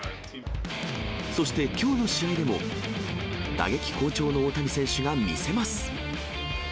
そして、きょうの試合でも打撃好調の大谷選手が見せます。